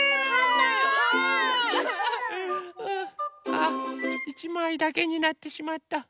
あ１まいだけになってしまった。